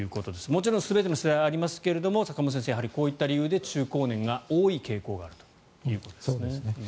もちろん全ての人ではありませんが坂元先生、こういう理由で中高年が多い傾向があるということですね。